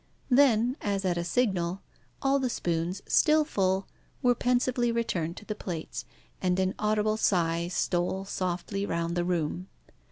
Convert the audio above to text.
Then, as at a signal, all the spoons, still full, were pensively returned to the plates, and an audible sigh stole softly round the room.